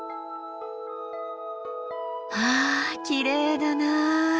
わあきれいだな。